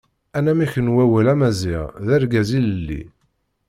Anamek n wawal Amaziɣ d Argaz ilelli.